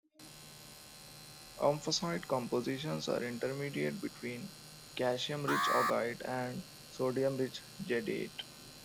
Omphacite compositions are intermediate between calcium-rich augite and sodium-rich jadeite.